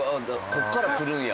ここから来るんや。